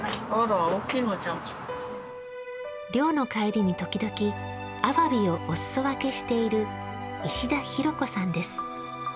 漁の帰りに時々、あわびをおすそ分けしている石田裕子さんです。